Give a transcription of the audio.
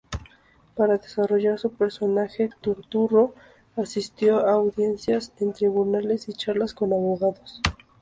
Para desarrollar su personaje, Turturro asistió a audiencias en tribunales y charlas con abogados.